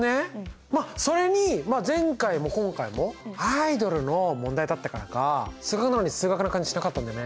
まあそれに前回も今回もアイドルの問題だったからか数学なのに数学な感じしなかったんだよね。